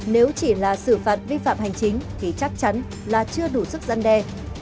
nếu chỉ là xử phạt vi phạm hành chính thì chắc chắn là chưa đủ sức dân đe